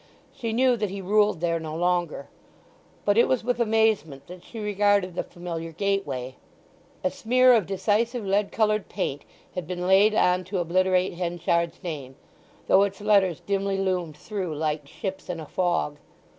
She knew that he ruled there no longer; but it was with amazement that she regarded the familiar gateway. A smear of decisive lead coloured paint had been laid on to obliterate Henchard's name, though its letters dimly loomed through like ships in a fog.